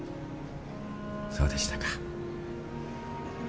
そうでしたか。